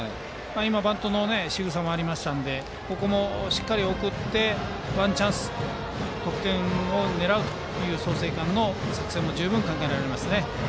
バントのしぐさもありましたのでここもしっかり送ってワンチャンスで得点を狙うという創成館の作戦も十分に考えられますね。